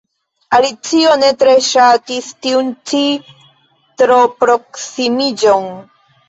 Alicio ne tre ŝatis tiun ĉi troproksimiĝon.